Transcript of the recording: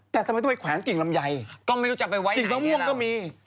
แต่ทำไมต้องไปแขวนกิ่งลำไยกิ่งมะม่วงก็มี